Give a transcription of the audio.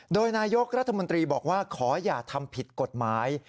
โดยนายกรัฐมนตรีบอกว่าขออย่าทำผิดกฎหมาย